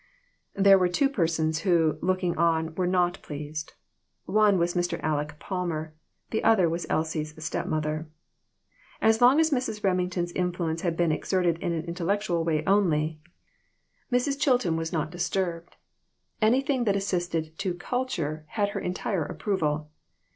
There were two persons who, looking on, were not pleased. One was Mr. Aleck Palmer. The other was Elsie's step mother. As long as Mrs. Remington's influence had been exerted in an intellectual way only, Mrs. Chilton was not dis THIS WORLD, AND THE OTHER ONE. 23 / turbed. Anything that assisted to "culture" had her entire approval.